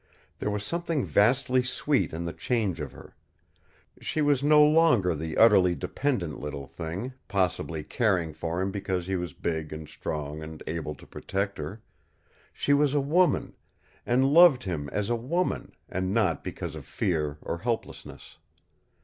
There was something vastly sweet in the change of her. She was no longer the utterly dependent little thing, possibly caring for him because he was big and strong and able to protect her; she was a woman, and loved him as a woman, and not because of fear or helplessness.